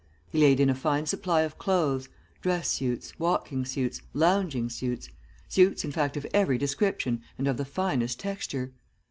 He laid in a fine supply of clothes dress suits, walking suits, lounging suits suits in fact of every description and of the finest texture.